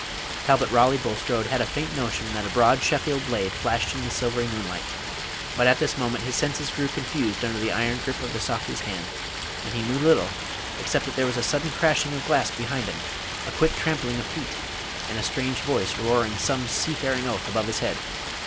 Talbot Raleigh Bulstrode had a faint notion that a broad Sheffield blade flashed in the silvery moonlight; but at this moment his senses grew confused under the iron grip of the softy's hand, and he knew little, except that there was a sudden crashing of glass behind him, a quick trampling of feet, and a strange voice roaring some seafaring oath above his head.